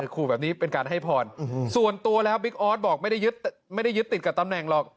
ขู่แบบนี้เป็นการให้พรส่วนตัวแล้วบิ๊กออสบอกไม่ได้ยึดไม่ได้ยึดติดกับตำแหน่งหรอก